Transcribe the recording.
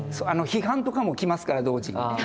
批判とかも来ますから同時に。